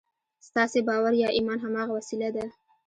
ستاسې باور یا ایمان هماغه وسیله ده